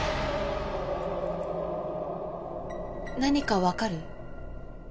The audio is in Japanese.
何か分かる？